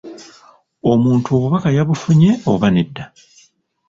Omuntu obubaka yabufunye oba nedda?